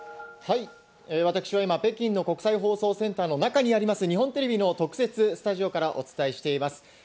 私は今、北京の国際放送センターの中にあります、日本テレビの特設スタジオからお伝えしています。